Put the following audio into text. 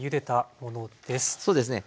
そうですね。